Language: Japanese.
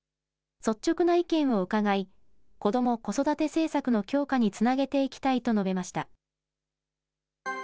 率直な意見を伺い、子ども・子育て政策の強化につなげていきたいと述べました。